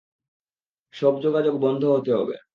সব যোগাযোগ বন্ধ হতে হবে।